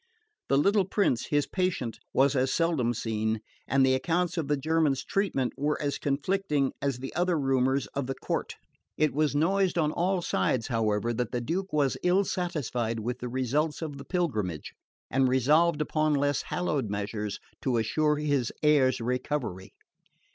The little prince, his patient, was as seldom seen, and the accounts of the German's treatment were as conflicting as the other rumours of the court. It was noised on all sides, however, that the Duke was ill satisfied with the results of the pilgrimage, and resolved upon less hallowed measures to assure his heir's recovery.